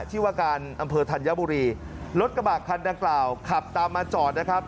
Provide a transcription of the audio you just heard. ที่ว่าการอำเภอธัญบุรีรถกระบะคันดังกล่าวขับตามมาจอดนะครับ